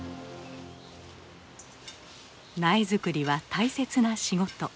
苗作りは大切な仕事。